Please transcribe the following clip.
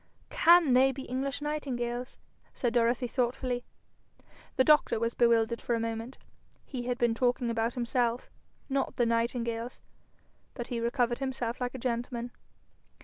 'CAN they be English nightingales?' said Dorothy thoughtfully. The doctor was bewildered for a moment. He had been talking about himself, not the nightingales, but he recovered himself like a gentleman.